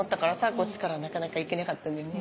こっちからはなかなかいけなかったんだよね。